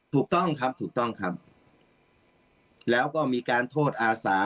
ถูกต้องครับถูกต้องครับแล้วก็มีการโทษอาสา